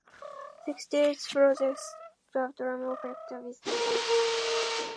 Sixty-eight produced a dramatic fracture with the past.